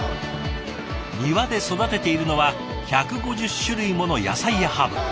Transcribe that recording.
庭で育てているのは１５０種類もの野菜やハーブ。